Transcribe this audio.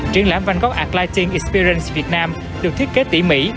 triển lãm van gogh ad lighting experience việt nam được thiết kế tỉ mỉ